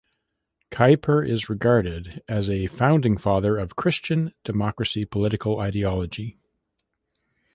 Kuyper is regarded is a founding father of Christian Democracy political ideology.